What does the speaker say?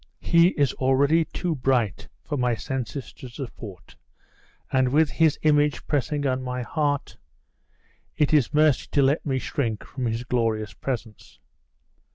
He is already too bring for my senses to support, and with his image pressing on my heart, it is mercy to let me shrink from his glorious presence."